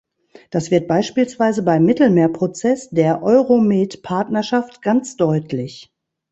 Das wird beispielsweise beim Mittelmeerprozess – der Euromed-Partnerschaft – ganz deutlich.